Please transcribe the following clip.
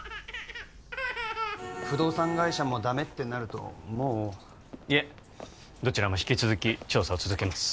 不動産会社もダメってなるともういえどちらも引き続き調査を続けます